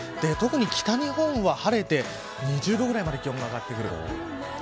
特に北日本は晴れて２０度くらいまで気温が上がってきます。